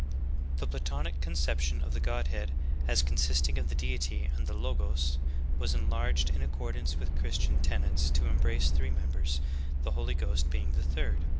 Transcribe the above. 13. The Platonic conception of the Godhead as consist ing of the Deity and the Logos, was enlarged in accordance with Christian tenets to embrace three members, the Holy Ghost being the third.